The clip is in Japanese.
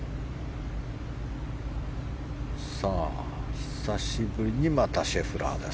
久しぶりにまたシェフラーです。